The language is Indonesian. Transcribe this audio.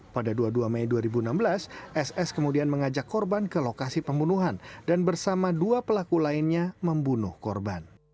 pada dua puluh dua mei dua ribu enam belas ss kemudian mengajak korban ke lokasi pembunuhan dan bersama dua pelaku lainnya membunuh korban